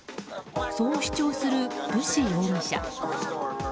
そう主張するブシ容疑者。